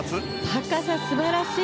高さ、素晴らしい！